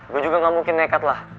gue juga gak mungkin nekat lah